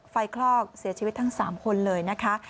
คลอกเสียชีวิตทั้ง๓คนเลยนะคะ